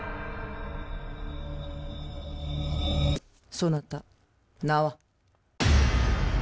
そなた名は？